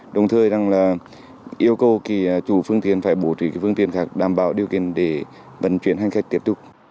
đồng thời rằng là yêu cầu chủ phương tiện phải bổ trí phương tiện khác đảm bảo điều kiện để vận chuyển hành khách tiếp tục